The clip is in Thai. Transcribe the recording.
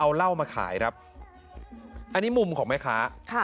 เอาเหล้ามาขายครับอันนี้มุมของแม่ค้า